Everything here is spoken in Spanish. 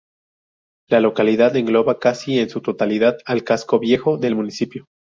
La localidad engloba casi en su totalidad al Casco Viejo del municipio.